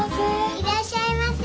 いらっしゃいませ。